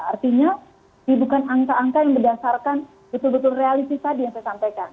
artinya ini bukan angka angka yang berdasarkan betul betul realistis tadi yang saya sampaikan